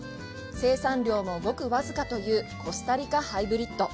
生産量もごく僅かというコスタリカ・ハイブリッド。